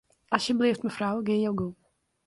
Asjebleaft mefrou, gean jo gong.